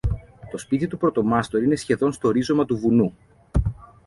Το σπίτι του πρωτομάστορη είναι σχεδόν στο ρίζωμα του βουνού